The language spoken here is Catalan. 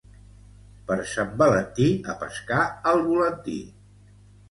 Per Sant Valentí, a pescar al volantí.